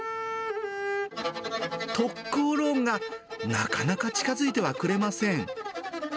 ところが、なかなか近づいてはくれません。